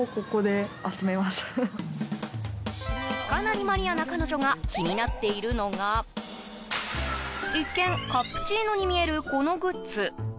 かなりマニアな彼女が気になっているのが一見、カプチーノに見えるこのグッズ。